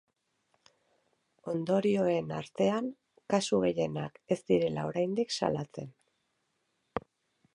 Ondorioen artean, kasu gehienak ez direla oraindik salatzen.